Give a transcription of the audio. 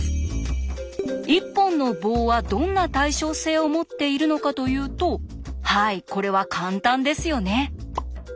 一本の棒はどんな対称性を持っているのかというとはいこれは簡単ですよね。